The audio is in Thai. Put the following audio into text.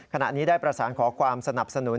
ขณะนี้ได้ประสานขอความสนับสนุน